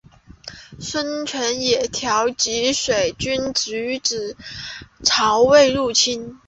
孙权也调集水军阻止曹魏入侵。